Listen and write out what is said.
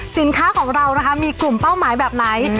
สินค้าของเรานะคะมีกลุ่มเป้าหมายแบบไหน